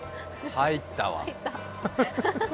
入ったわ。